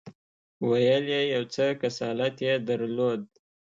ویل یې یو څه کسالت یې درلود.